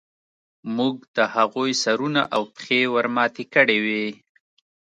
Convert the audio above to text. موږ د هغوی سرونه او پښې ورماتې کړې وې